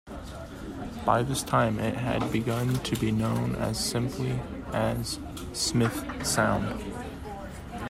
By this time it had begun to be known simply as "Smith Sound".